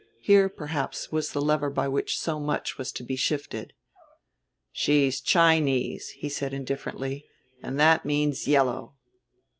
Here, perhaps, was the lever by which so much was to be shifted. "She's Chinese," he said indifferently, "and that means yellow."